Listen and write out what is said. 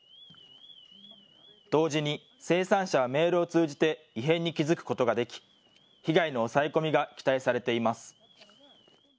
同時に生産者はメールを通じて異変に気付くことができ、被害の抑え込みが期待されています。